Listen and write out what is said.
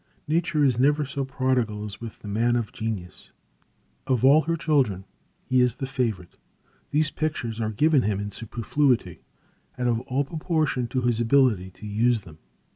Nature is never so prodigal as with the man of genius. Of all her children he is the favorite; these pictures are given him in superfluity, out of all proportion to his ability to use them.